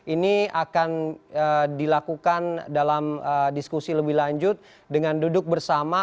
ini akan dilakukan dalam diskusi lebih lanjut dengan duduk bersama